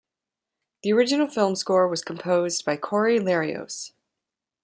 The original film score was composed by Cory Lerios.